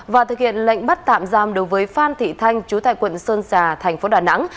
và thực hiện lệnh bắt tạm giam đối với phan thị thanh chú tại quận sơn xà tp đà nẵng